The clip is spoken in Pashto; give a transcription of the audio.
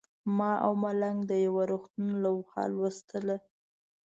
ما او ملنګ د یو روغتون لوحه لوستله.